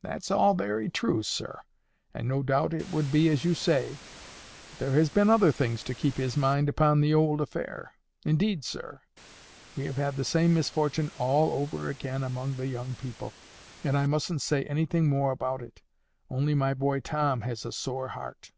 "That's all very true, sir, and no doubt it would be as you say. But there has been other things to keep his mind upon the old affair. Indeed, sir, we have had the same misfortune all over again among the young people. And I mustn't say anything more about it; only my boy Tom has a sore heart."